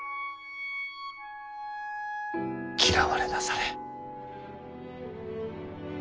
嫌われなされ。